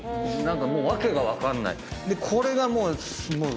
もう訳が分かんない。